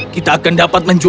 kita akan dapat menjelaskan